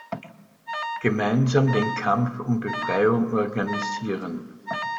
Gemeinsam den Kampf um Befreiung organisieren!